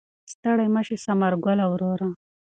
ستړی مه شې ثمر ګله وروره.